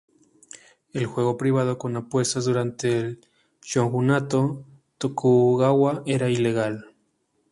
El juego privado con apuestas durante el shogunato Tokugawa era ilegal.